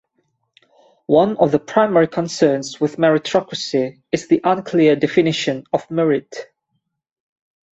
One of the primary concerns with meritocracy is the unclear definition of "merit".